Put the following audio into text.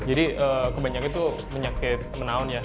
jadi kebanyakan itu penyakit menaun ya